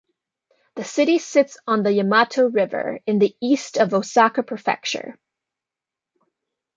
The city sits on the Yamato River in the east of Osaka Prefecture.